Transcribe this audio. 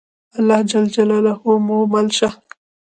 الله ج مو مل شه.